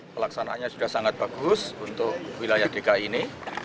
pelaksanaannya sudah sangat bagus untuk wilayah dki ini